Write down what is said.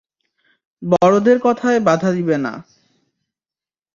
বড়দের কথায় বাঁধা দিবে না!